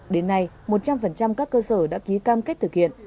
đến nay một trăm linh các cơ sở đã ký cam kết thực hiện